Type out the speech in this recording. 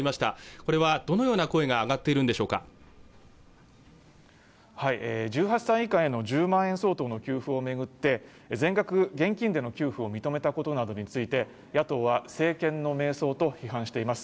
これはどのような声が上がっているんでしょうか１８歳以下への１０万円相当の給付を巡って全額現金での給付を認めたことなどについて野党は政権の迷走と批判しています